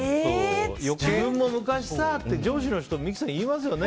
自分も昔さって、上司の人三木さん、言いますよね。